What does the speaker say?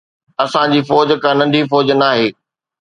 اسان جي فوج ڪا ننڍي فوج ناهي.